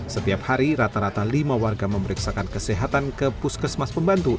setiap hari rata rata lima warga memeriksakan kesehatan ke puskesmas pembantu